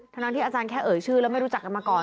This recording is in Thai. ทั้งที่อาจารย์แค่เอ่ยชื่อแล้วไม่รู้จักกันมาก่อน